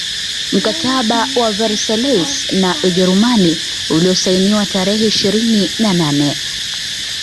Mkataba wa Versailles na Ujerumani uliosainiwa tarehe ishirini na nae